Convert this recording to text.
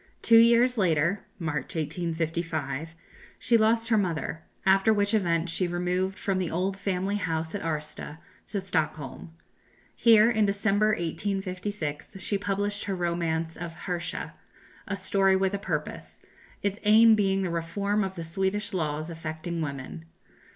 Two years later (March, 1855) she lost her mother; after which event she removed from the old family house at Arsta to Stockholm. Here, in December, 1856, she published her romance of "Hersha," a story with a purpose its aim being the reform of the Swedish laws affecting women.